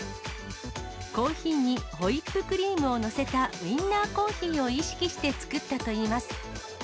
コーヒーにホイップクリームを載せたウインナーコーヒーを意識して作ったといいます。